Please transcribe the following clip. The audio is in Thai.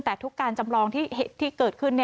แต่ทุกการจำลองที่เกิดขึ้น